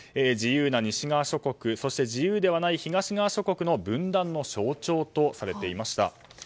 自由な西側諸国そして自由ではない東側諸国の分断の象徴とされていました。